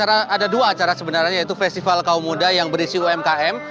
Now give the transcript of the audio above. ada dua acara sebenarnya yaitu festival kaum muda yang berisi umkm